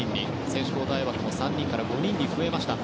選手交代枠も３人から５人に増えました。